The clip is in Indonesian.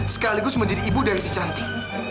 sekaligus menjadi ibu dari si cantik